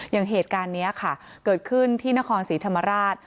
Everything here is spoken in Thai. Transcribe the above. อย่างเหตุการณ์นี้ค่ะเกิดขึ้นที่นครศรีธรรมราช